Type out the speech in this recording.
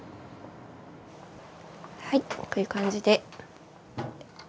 はいこういう感じで。